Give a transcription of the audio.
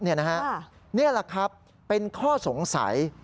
นี่แหละครับเป็นข้อสงสัย